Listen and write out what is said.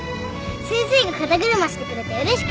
先生が肩車してくれてうれしかった。